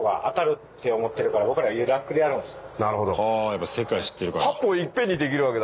なるほど。はやっぱ世界知ってるから。